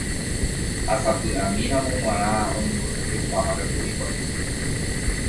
Ha sapy'amíramo g̃uarã oñembosako'ipáma katu hikuái.